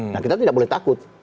nah kita tidak boleh takut